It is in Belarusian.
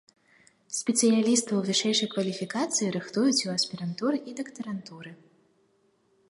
Спецыялістаў вышэйшай кваліфікацыі рыхтуюць у аспірантуры і дактарантуры.